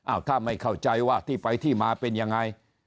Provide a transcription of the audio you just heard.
ถ้าไม่เข้าใจว่าที่ไปที่มาเป็นยังไง